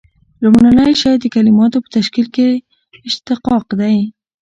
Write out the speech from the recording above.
لومړی شی د کلیماتو په تشکیل کښي اشتقاق دئ.